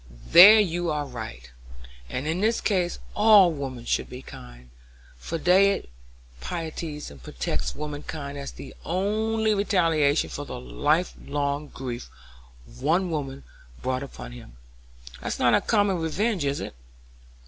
"There you are right; and in this case all women should be kind, for David pities and protects womankind as the only retaliation for the life long grief one woman brought upon him. That's not a common revenge, is it?"